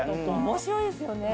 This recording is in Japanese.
面白いですよね。